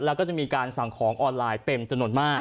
แล้วก็จะมีการสั่งของออนไลน์เป็นจำนวนมาก